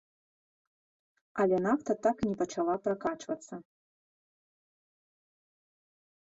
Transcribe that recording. Але нафта так і не пачала пракачвацца.